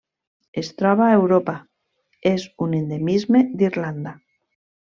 Es troba a Europa: és un endemisme d'Irlanda.